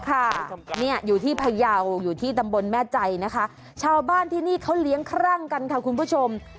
ค่ะเนี่ยอยู่ที่พยาวอยู่ที่ตำบลแม่ใจนะคะชาวบ้านที่นี่เขาเลี้ยงครั่งกันค่ะคุณผู้ชม